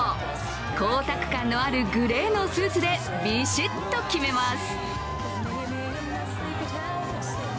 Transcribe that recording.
光沢感のあるグレーのスーツでびしっと決めます。